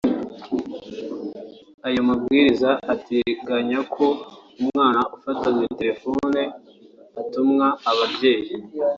Ayo mabwiriza ategenya ko umwana ufatanywe telefoni atumwa ababyeyi